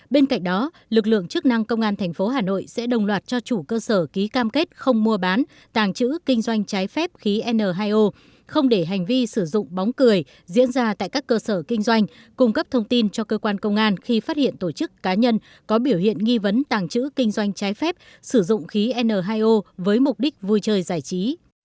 bên cạnh đó lực lượng chức năng công an tp hà nội sẽ đồng loạt cho chủ cơ sở ký cam kết không mua bán tàng trữ kinh doanh trái phép khí n hai o không để hành vi sử dụng bóng cười diễn ra tại các cơ sở kinh doanh cung cấp thông tin cho cơ quan công an khi phát hiện tổ chức cá nhân có biểu hiện nghi vấn tàng trữ kinh doanh trái phép sử dụng khí n hai o với mục đích vui trời giải trí